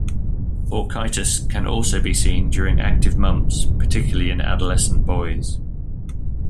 Orchitis can also be seen during active mumps, particularly in adolescent boys.